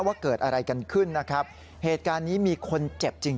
ว่าเกิดอะไรกันขึ้นนะครับเหตุการณ์นี้มีคนเจ็บจริง